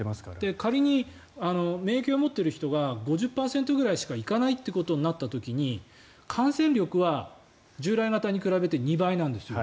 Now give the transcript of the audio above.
仮に免疫を持ってる人が５０％ぐらいしか行かないってことになった時に感染力は従来型に比べて２倍なんですよ。